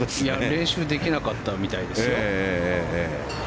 練習できなかったみたいですよ。